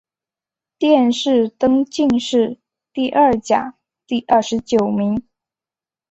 殿试登进士第二甲第二十九名。